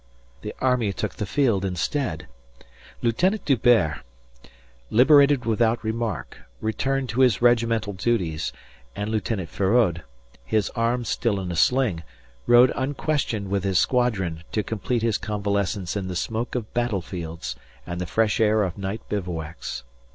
The army took the field instead. Lieutenant D'Hubert, liberated without remark, returned to his regimental duties, and Lieutenant Feraud, his arm still in a sling, rode unquestioned with his squadron to complete his convalescence in the smoke of battlefields and the fresh air of night bivouacs.